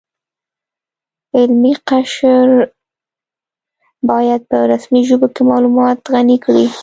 علمي قشر باید په رسمي ژبو کې معلومات غني کړي